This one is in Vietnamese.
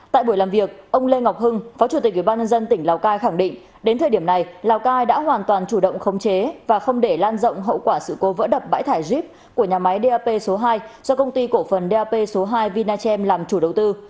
tại buổi làm việc ông lê ngọc hưng phó chủ tịch ủy ban nhân dân tỉnh lào cai khẳng định đến thời điểm này lào cai đã hoàn toàn chủ động khống chế và không để lan rộng hậu quả sự cố vỡ đập bãi thải zep của nhà máy dap số hai do công ty cổ phần dap số hai vinachem làm chủ đầu tư